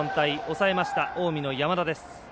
抑えました、近江の山田です。